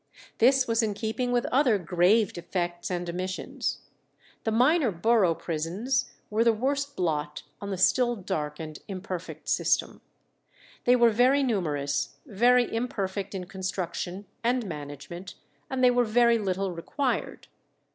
This was in keeping with other grave defects and omissions. The minor borough prisons were the worst blot on the still dark and imperfect system. They were very numerous, very imperfect in construction and management, and they were very little required.